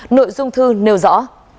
nội dung thư nêu rõ